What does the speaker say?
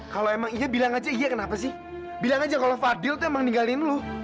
kalau emang iya bilang aja iya kenapa sih bilang aja kalau fadil tuh emang ninggalin lu